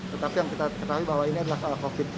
tetapi yang kita ketahui bahwa ini adalah soal covid